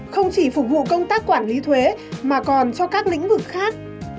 không chỉ phục vụ công tác quản lý thuế mà còn cho các lĩnh vực khác